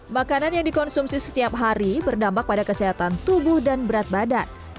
makanan yang dikonsumsi setiap hari berdampak pada kesehatan tubuh dan berat badan